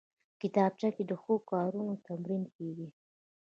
کتابچه کې د ښو کارونو تمرین کېږي